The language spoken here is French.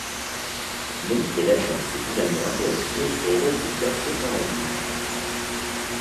Monique Eleb s’est également intéressée au rôle des cafés dans la ville.